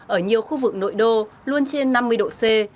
ở nhiều khu vực nội đô luôn trên năm mươi độ c